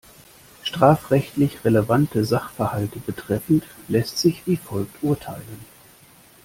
Strafrechtlich relevante Sachverhalte betreffend, lässt sich wie folgt urteilen.